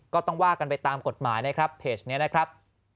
ก็ต้องว่ากันไปตามกฎหมายนะครับเพจนี้นะครับ